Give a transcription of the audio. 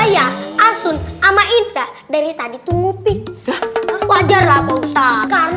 saya asun sama indra dari tadi tuh ngupik pembicaraan ya